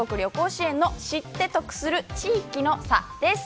お得な全国旅行支援の知って得する地域の差です。